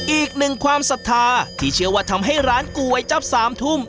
อีกหนึ่งความศรัทธาที่เชื่อว่าทำให้ร้านก๋วยจับ๓ทุ่ม